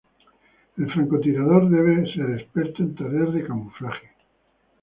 El francotirador debe ser experto en tareas de camuflaje.